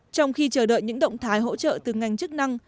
trong khi chờ đợi những động thái hỗ trợ từ ngành chức năng